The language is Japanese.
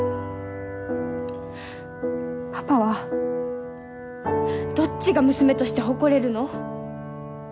パパはどっちが娘として誇れるの？